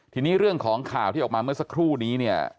ทีนี้เรื่องของข่าวที่ออกมาเมื่อสักครู่นี้เนี่ย